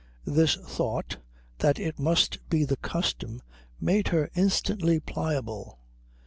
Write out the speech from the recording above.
This thought, that it must be the custom, made her instantly pliable.